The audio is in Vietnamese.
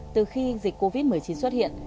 từ khi dịch covid một mươi chín xuất hiện